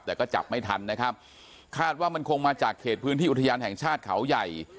แต่ก็จับไม่ทันนะครับคาดว่ามันคงมาจากเขตพื้นที่อุทยานแห่งชาติเขาใหญ่